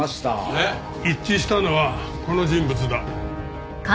えっ！？一致したのはこの人物だ。